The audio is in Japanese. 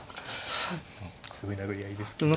すごい殴り合いですけど。